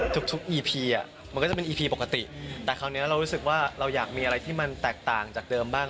ทุกอีพีอ่ะมันก็จะเป็นอีพีปกติแต่คราวนี้เรารู้สึกว่าเราอยากมีอะไรที่มันแตกต่างจากเดิมบ้าง